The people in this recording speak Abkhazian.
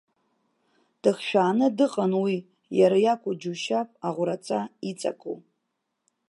Дыхшәааны дыҟан уи, иара иакәу џьушьап аӷәраҵа иҵаку.